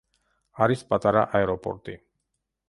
არის პატარა აეროპორტი.